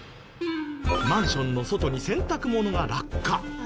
マンションの外に洗濯物が落下。